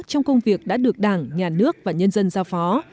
trong công việc đã được đảng nhà nước và nhân dân giao phó